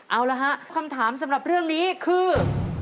เอาละฮะคำถามสำหรับเรื่องนี้คือ